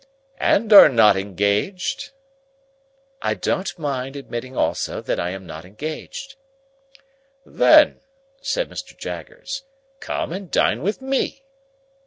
"And are not engaged?" "I don't mind admitting also that I am not engaged." "Then," said Mr. Jaggers, "come and dine with me."